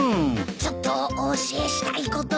ちょっとお教えしたいことが。